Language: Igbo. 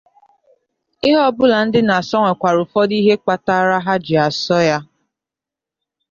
Ihe ọbụla ndị na-asọ nwekwara ụfọdụ ihe kpatara ha ji asọ ya